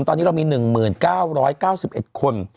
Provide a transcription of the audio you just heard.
ตอนนี้เรามี๑๙๙๑คน